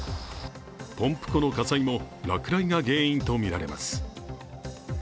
ポンプ庫の火災も落雷が原因とみられます。